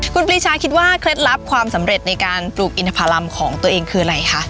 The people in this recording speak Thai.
คุณปรีชาคิดว่าเคล็ดลับความสำเร็จในการปลูกอินทภารำของตัวเองคืออะไรคะ